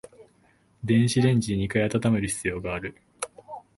電子レンジで二回温める必要がある